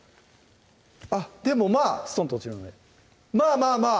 あっでもまぁストンと落ちるのでまぁまぁまぁ